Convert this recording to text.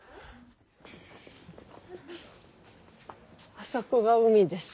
あそこが海です。